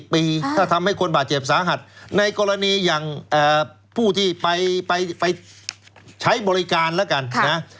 ถ้าทำให้คนบาดเจ็บสาหัสในกรณีอย่างผู้ที่ไปใช้บริการแล้วกันนะ